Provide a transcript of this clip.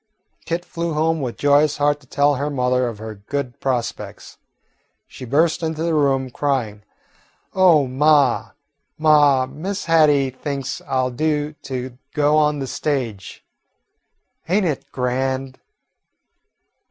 Kit flew home with joyous heart to tell her mother of her good prospects. She burst into the room, crying, "Oh, ma, ma, Miss Hattie thinks I 'll do to go on the stage. Ain't it grand?"